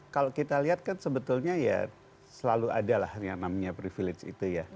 kalau kita lihat kan sebetulnya ya selalu ada lah yang namanya privilege itu ya